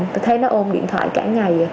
tôi thấy nó ôm điện thoại cả nhà